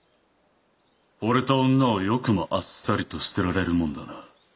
ほれた女をよくもあっさりと捨てられるもんだな？